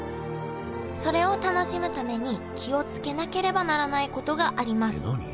それを楽しむために気を付けなければならないことがあります